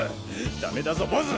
ダメだぞボウズ！